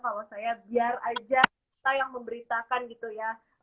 kalau saya biar aja kita yang memberitakan gitu ya